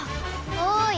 おい。